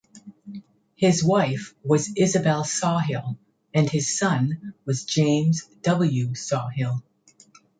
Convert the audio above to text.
His wife was Isabel Sawhill and his son was James W. Sawhill.